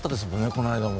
この間も。